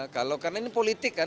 karena ini politik kan